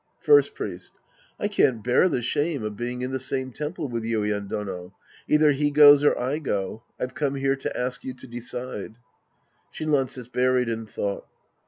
First Priest. I can't bear the shame of being in the same temple with Yuien Dono. Either he goes or I go. I've come here to ask you to decide. (Shinran sits buried in thought.)